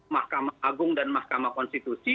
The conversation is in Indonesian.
mahkamah agung dan mahkamah konstitusi